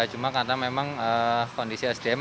cuma karena memang kondisi sdm masih ada